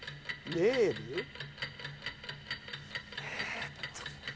えっと。